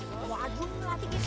wah wajum latih bisa cukup